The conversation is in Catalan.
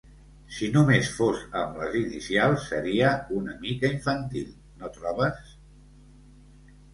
Si només fos amb les inicials seria una mica infantil, no trobes?